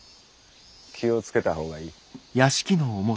気をつけた方がいい。